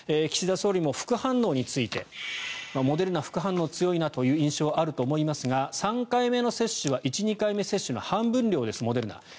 岸田総理も副反応についてモデルナは副反応が強いなという印象はあると思いますが３回目の接種は１、２回目接種の半分量ですモデルナ。